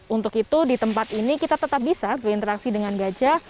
untuk itu di tempat ini kita tetap bisa berinteraksi dengan gajah